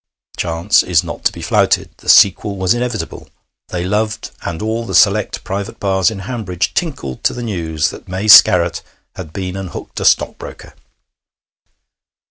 Chance is not to be flouted. The sequel was inevitable. They loved. And all the select private bars in Hanbridge tinkled to the news that May Scarratt had been and hooked a stockbroker!